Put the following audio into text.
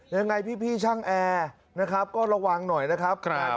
ยังไงพี่ช่างแอร์นะครับก็ระวังหน่อยนะครับ